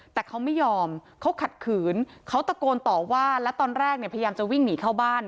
แต่เขาไม่ยอมเขาขัดขืนเขาตะโกนต่อว่าแล้วตอนแรกเนี่ยพยายามจะวิ่งหนีเข้าบ้าน